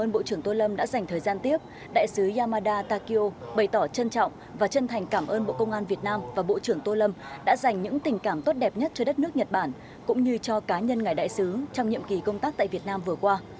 bộ trưởng tô lâm đã dành thời gian tiếp đại sứ yamada takio bày tỏ trân trọng và chân thành cảm ơn bộ công an việt nam và bộ trưởng tô lâm đã dành những tình cảm tốt đẹp nhất cho đất nước nhật bản cũng như cho cá nhân ngài đại sứ trong nhiệm kỳ công tác tại việt nam vừa qua